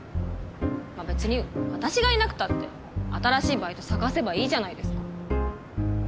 まあ別に私がいなくたって新しいバイト探せばいいじゃないですか。